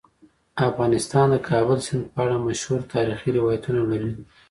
افغانستان د کابل سیند په اړه مشهور تاریخی روایتونه لري.